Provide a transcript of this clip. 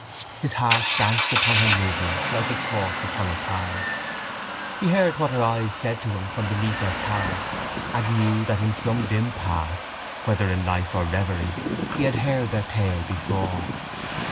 His heart danced upon her movements like a cork upon a tide. He heard what her eyes said to him from beneath their cowl and knew that in some dim past, whether in life or reverie, he had heard their tale before.